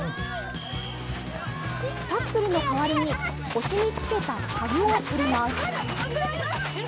タックルの代わりに、腰に付けたタグを取ります。